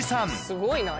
すごいな。